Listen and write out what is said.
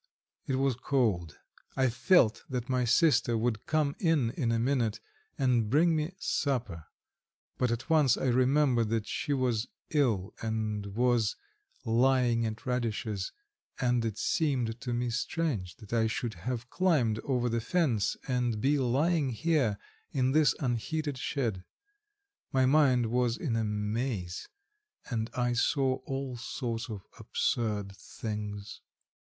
It was cold. I felt that my sister would come in in a minute, and bring me supper, but at once I remembered that she was ill and was lying at Radish's, and it seemed to me strange that I should have climbed over the fence and be lying here in this unheated shed. My mind was in a maze, and I saw all sorts of absurd things.